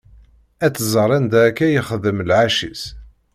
Ad-tẓer anda akka yexdem lɛecc-is.